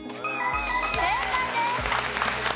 正解です！